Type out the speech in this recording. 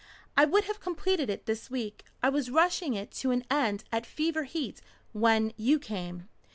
"I would have completed it this week. I was rushing it to an end at fever heat when you came."